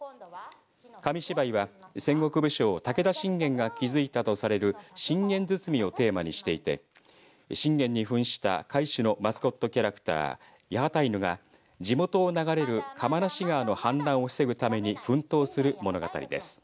紙芝居は戦国武将武田信玄が築いたとされる信玄堤をテーマにしていて信玄に扮した甲斐市のマスコットキャラクターやはたいぬが、地元を流れる釜無川の氾濫を防ぐために奮闘する物語です。